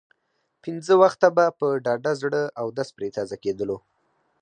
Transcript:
پنځه وخته به په ډاډه زړه اودس پرې تازه کېدلو.